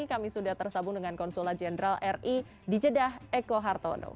kami sudah tersambung dengan konsulat jenderal ri di jeddah eko hartono